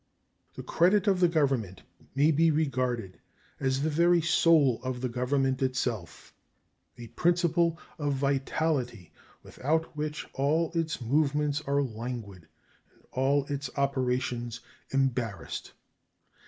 The credit of the Government may be regarded as the very soul of the Government itself a principle of vitality without which all its movements are languid and all its operations embarrassed.